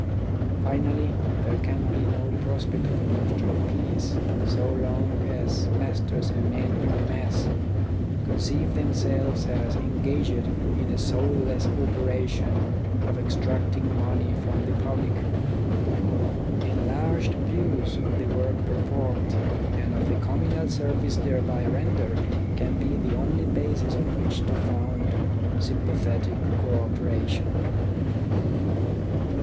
Finally, there can be no prospect of industrial peace so long as masters and men in the mass conceive themselves as engaged in a soulless operation of extracting money from the public. Enlarged views of the work performed, and of the communal service thereby rendered, can be the only basis on which to found sympathetic co operation.